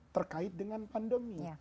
terkait dengan pandemi